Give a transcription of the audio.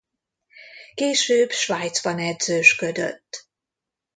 Később Svájcban edzősködött.